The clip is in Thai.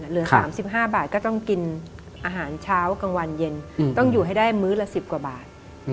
เหลือ๓๕บาทก็ต้องกินอาหารเช้ากลางวันเย็นต้องอยู่ให้ได้มื้อละ๑๐กว่าบาท